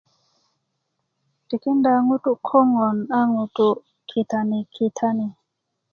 tikinda ŋutu' koŋon a ŋutu' kitani kitani